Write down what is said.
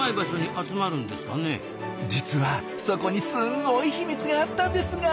実はそこにすんごい秘密があったんですが。